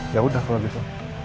yaudah kalau gitu